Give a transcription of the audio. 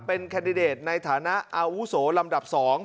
เป็นแคนดิเดตในฐานะอาวุโสลำดับ๒